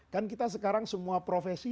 kan kita sekarang semua profesi